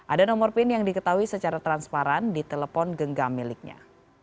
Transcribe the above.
ada nomor pin yang diketahui secara transparan di telepon genggam miliknya